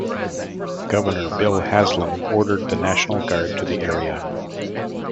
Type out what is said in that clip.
Governor Bill Haslam ordered the National Guard to the area.